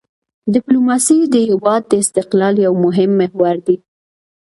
ډیپلوماسي د هېواد د استقلال یو مهم محور دی.